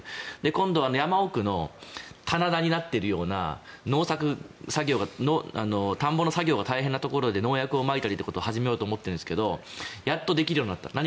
今度は山奥の棚田になっているような田んぼの作業が大変なところで農薬をまいたりということを始めようと思っているんですがやっとできるようになってきた。